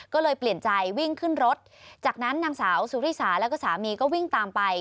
ก็เลยเปลี่ยนใจวิ่งขึ้นรถจากนั้นนางสาวสุริสาแล้วก็สามีก็วิ่งตามไป